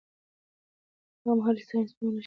هغه مهال چې ساینس ومنل شي، پرېکړې سمې کېږي.